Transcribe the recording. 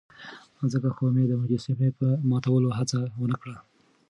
ځکه خو يې د مجسمې د ماتولو هڅه ونه کړه.